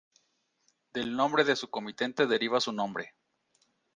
Del nombre de su comitente deriva su nombre.